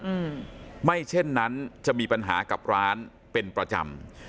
อืมไม่เช่นนั้นจะมีปัญหากับร้านเป็นประจำ